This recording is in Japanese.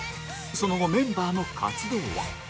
その後メンバーの活動は？